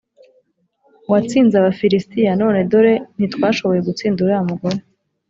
watsinze Abafilisitiya None dore ntitwashoboye gutsinda uriya mugore